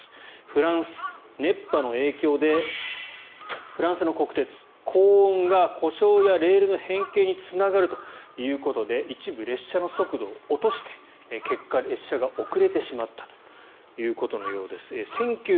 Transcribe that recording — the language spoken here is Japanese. フランス、熱波の影響でフランスの国鉄高温が故障やレールの変形につながるということで一部列車の速度を落として結果、列車が遅れてしまったということのようです。